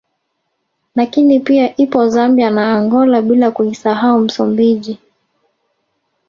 Lakini pia ipo Zambia na Angola bila kuisahau Msumbiji